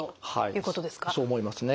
そう思いますね。